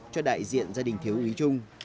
cho đại diện gia đình thiếu úy trung